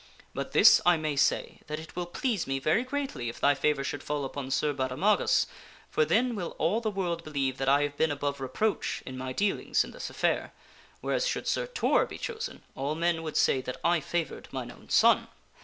But this I may say, that it will please me very greatly if thy favor should fall upon Sir Baudemagus, for then will all the world believe that I have been above reproach in my dealings in this affair, whereas should Sir Tor be chosen all men would say that I favored mine own son."